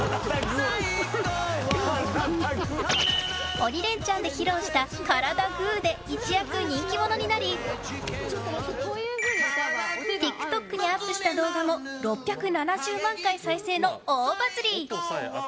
「鬼レンチャン」で披露した「カラダぐぅ」で一躍人気者になりＴｉｋＴｏｋにアップした動画も６７０万回再生の大バズり。